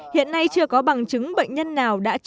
hiện nay chưa có bằng chứng bệnh nhân nào đã chữa bệnh